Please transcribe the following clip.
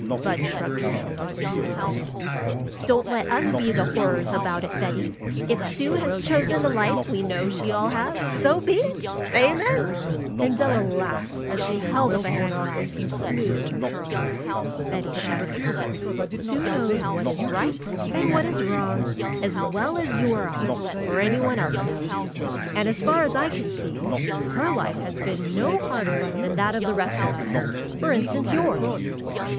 Bud shrugged her shoulders and subsided. '^Don't let us be the horrors about it, Betty ! If Sue has chosen the life we all know she has, so be it! Amen !" And Della laughed as she held up a hand glass and smoothed her curls. FAITH 219 Betty shuddered. '^Sue knows what is right and what is wrong, as well as you or I, or anyone else knows. And as far as I can see her life has been no harder than that of the rest of us ; for instance yours.